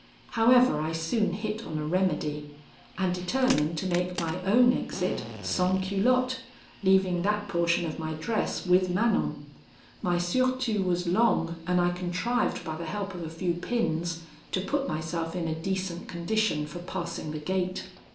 However, I soon hit on a remedy, and determined to make my own exit sans culotte, leaving that portion of my dress with Manon. My surtout was long, and I contrived by the help of a few pins to put myself in a decent condition for passing the gate.